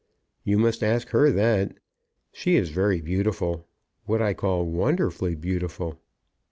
"You must ask her that. She is very beautiful, what I call wonderfully beautiful."